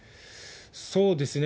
そうですね。